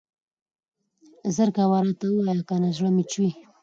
زر کوه راته ووايه کنه زړه مې چوي.